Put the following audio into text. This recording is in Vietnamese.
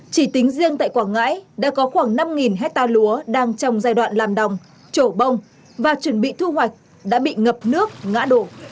chỉ tính riêng tại quảng ngãi đã có khoảng năm hectare lúa đang trong giai đoạn làm đồng trổ bông và chuẩn bị thu hoạch đã bị ngập nước ngã đổ